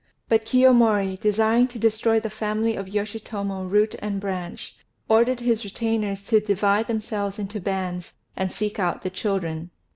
But Kiyomori, desiring to destroy the family of Yoshitomo root and branch, ordered his retainers to divide themselves into bands, and seek out the children.